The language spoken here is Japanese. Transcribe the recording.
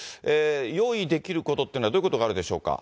用意できることっていうのは、どういうことがあるでしょうか。